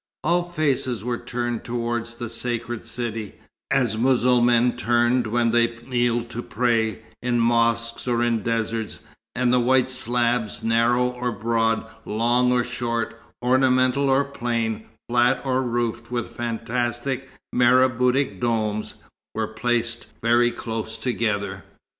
All faces were turned towards the sacred city, as Mussulmans turn when they kneel to pray, in mosque or in desert; and the white slabs, narrow or broad, long or short, ornamental or plain, flat or roofed with fantastic maraboutic domes, were placed very close together.